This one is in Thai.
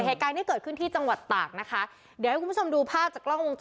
เหตุการณ์นี้เกิดขึ้นที่จังหวัดตากนะคะเดี๋ยวให้คุณผู้ชมดูภาพจากกล้องวงจ